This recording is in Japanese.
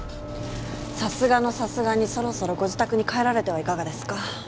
さすがのさすがにそろそろご自宅に帰られてはいかがですか？